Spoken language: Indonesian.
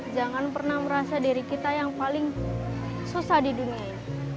jangan pernah merasa diri kita yang paling susah di dunia ini